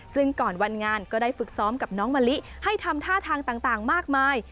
ซึ่งก่อนวันงานก็ได้ฝึกซ้อมกับน้องมะลิให้ทำท่าทางต่างมากมาย